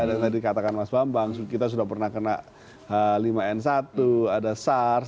ada yang tadi katakan mas bambang kita sudah pernah kena lima n satu ada sars